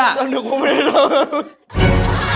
แล้วหนึ่งผมไม่ได้เดี๋ยว